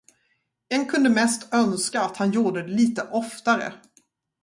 En kunde mest önska att han gjorde det lite oftare.